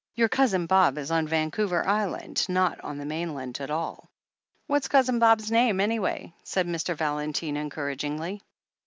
"Your Cousin Bob is on Vancouver Island, not on the mainland at all." "What's Cousin Bob's name, an)rway?" said Mr. Valentine encouragingly.